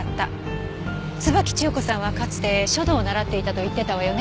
椿千代子さんはかつて書道を習っていたと言ってたわよね。